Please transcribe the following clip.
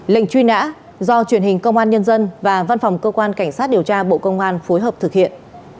lệnh truy nã do truyền hình công an nhân dân và văn phòng cơ quan cảnh sát điều tra bộ công an phối hợp thực hiện